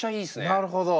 なるほど。